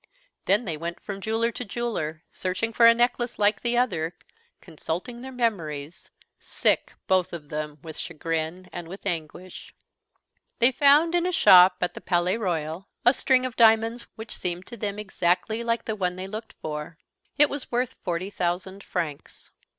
Then they went from jeweler to jeweler, searching for a necklace like the other, consulting their memories, sick both of them with chagrin and with anguish. They found, in a shop at the Palais Royal, a string of diamonds which seemed to them exactly like the one they looked for. It was worth forty thousand francs.